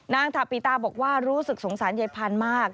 ถาปิตาบอกว่ารู้สึกสงสารยายพันธุ์มาก